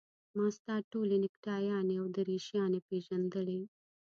ما ستا ټولې نکټایانې او دریشیانې پېژندلې.